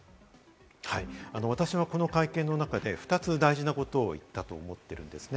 私はこの会見の中で２つ大事なことを言ったと思ってるんですね。